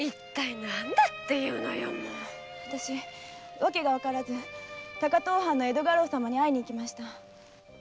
訳を聞きに高遠藩の江戸家老様に会いに行きました。